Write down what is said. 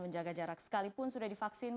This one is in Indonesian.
menjaga jarak sekalipun sudah divaksin